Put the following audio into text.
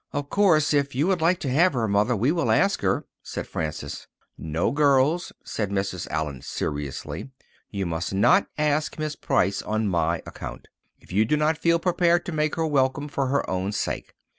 "Of course, if you would like to have her, Mother, we will ask her," said Frances. "No, girls," said Mrs. Allen seriously. "You must not ask Miss Price on my account, if you do not feel prepared to make her welcome for her own sake.